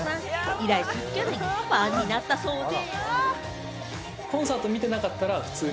以来、すっかりファンになったそうで。